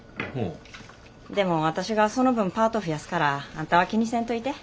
でも私がその分パート増やすからあんたは気にせんといて。